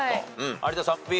有田さんＢ。